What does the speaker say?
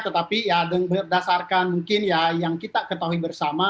tetapi ya berdasarkan mungkin ya yang kita ketahui bersama